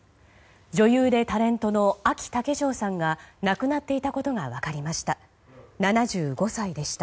女優でタレントのあき竹城さんが亡くなっていたことが分かりました。